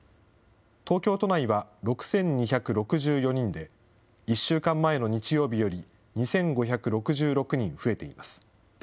東京都内は６２６４人で、１週間前の日曜日より２５６６人増えています。